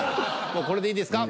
もうこれでいいですか？